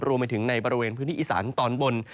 รวมไปถึงในบริเวณพื้นที่อีสานตอนบน